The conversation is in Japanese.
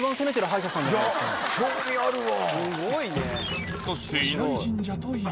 興味あるわ。